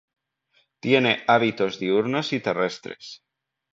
Tiene hábitos diurnos y terrestres.